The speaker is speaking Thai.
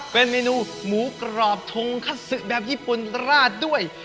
เป็นเมนูหมูกรอบทงคัสซึแบบญี่ปุ่นราดด้วย